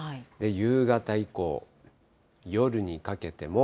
夕方以降、夜にかけても。